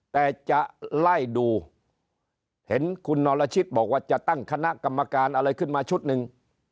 แต่จะไล่ดูเห็นคุณนรชิตบอกว่าจะตั้งคณะกรรมการอะไรขึ้นมาชุดหนึ่ง